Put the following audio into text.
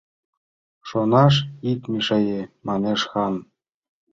Шонаш ит мешае! — манеш хан.